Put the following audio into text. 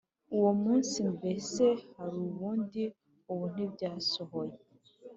Uwo munsi mbese hari ubundi ubu ntibyasohoye